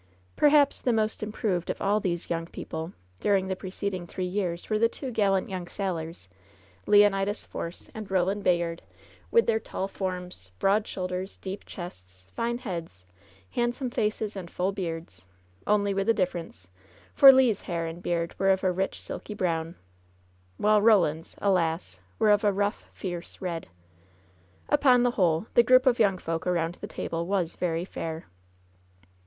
Perhaps the most improved of all these young people during the preceding three years were the two gallant young sailors, Leonidas Force and Eoland Bayard, with their tall forms, broad shoulders, deep chests, fine heads, handsome faces and full beards — only with a difference ; for Le's hair and beard were of a rich, silky brown, while Roland's, alas ! were of a rough, fierce red. Upon the whole, the group of young folk around the table was very fair.